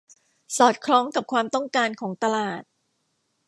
สอดคล้องกับความต้องการของตลาด